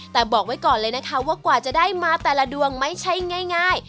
แต่บอกไว้ก่อนเลยนะคะว่ากว่าจะได้มาแต่ละดวงไม่ใช่ง่าย